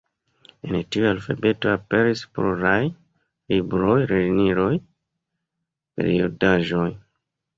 En tiu alfabeto aperis pluraj libroj, lerniloj, periodaĵoj.